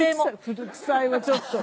古くさいわちょっと。